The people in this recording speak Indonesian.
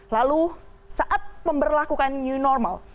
lalu saat memperlakukan new normal